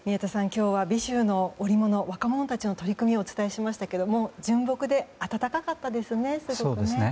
今日は尾州の織物若者たちの取り組みをお伝えしましたけども純朴で温かかったですね。